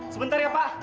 sebentar ya pak